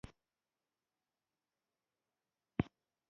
حمام ته ولاړم قريب يو ساعت مې پکښې تېر کړ.